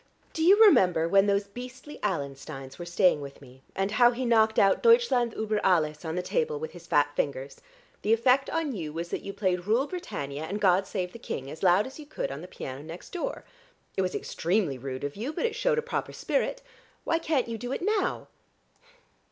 Do you remember when those beastly Allensteins were staying with me, and how he knocked out 'Deutschland über alles,' on the table with his fat fingers? The effect on you was that you played 'Rule Britannia' and 'God Save the King' as loud as you could on the piano next door. It was extremely rude of you, but it shewed a proper spirit. Why can't you do it now?"